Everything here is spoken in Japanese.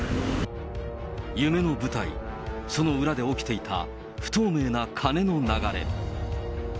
夢の舞台、その裏で起きていた不透明なカネの流れ。